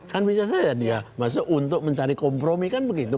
kan bisa saja dia masuk untuk mencari kompromi kan begitu